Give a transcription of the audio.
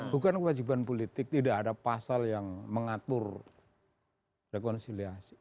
bukan kewajiban politik tidak ada pasal yang mengatur rekonsiliasi